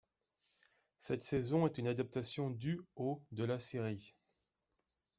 Cette saison est une adaptation du au de la série.